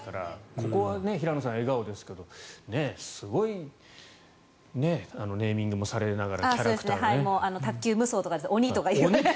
ここは平野さん、笑顔ですけどすごいネーミングもされながら卓球無双とか、鬼とか。